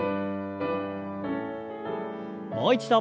もう一度。